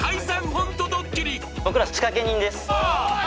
ホントドッキリ僕ら仕掛け人ですおい！